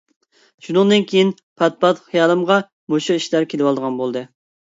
شۇندىن كېيىن پات-پات خىيالىمغا مۇشۇ ئىشلار كېلىۋالىدىغان بولدى.